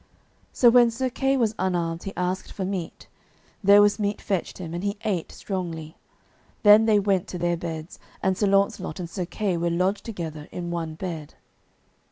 So when Sir Kay was unarmed he asked for meat; there was meat fetched him, and he ate strongly. Then they went to their beds, and Sir Launcelot and Sir Kay were lodged together in one bed.